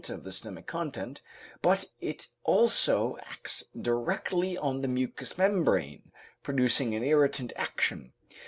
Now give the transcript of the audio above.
of the stomach content, but it also acts directly on the mucous membrane, producing an irritant action.